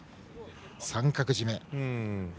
三角絞め。